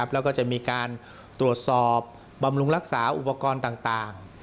แล้วก็จะมีการตรวจสอบบำรุงรักษาอุปกรณ์ต่าง